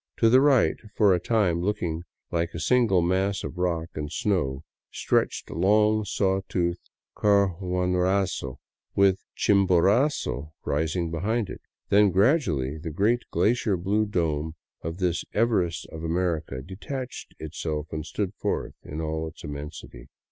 To the right, for a time looking like a single mass of rock and snow, stretched long, saw toothed Carhuairazo, with Chim borazo rising behind it; then gradually the great, glacier blue dome of this Everest of America detached itself and stood forth in all its immensity.